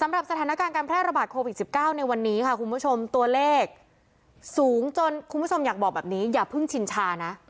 สำหรับสถานการณ์การแพร่ระบาดโควิด๑๙ในวันนี้ค่ะคุณผู้ชมตัวเลขสูงจนคุณผู้ชมอยากบอกแบบนี้อย่าเพิ่งชินชานะ